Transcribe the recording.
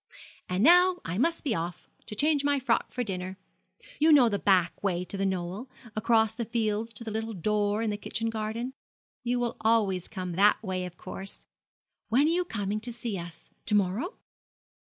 And now I must be off, to change my frock for dinner. You know the back way to The Knoll across the fields to the little door in the kitchen garden. You will always come that way, of course. When are you coming to see us? To morrow?'